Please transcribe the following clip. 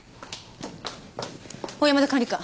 小山田管理官。